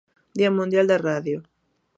Día Mundial da Radio.